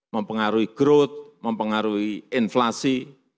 mempengaruhi growth mempengaruhi inflasi